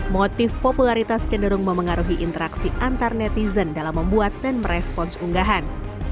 motif popularitas cenderung memengaruhi interaksi antar netizen dalam membuat dan merespons unggahan